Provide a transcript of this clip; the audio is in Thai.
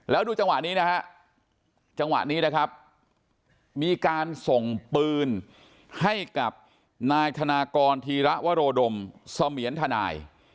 แล้วดูจังหวะนี้นะฮะจังหวะนี้นะครับมีการส่งปืนให้กับนายธนากรธีระวโรดมเสมียนทนาย